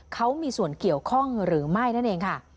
เขามีส่วนเกี่ยวข้องหรือไม่นั่นเองค่ะ